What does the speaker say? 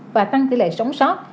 và tăng tỷ lệ sống sót